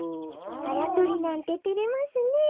あやとりなんててれますねえ。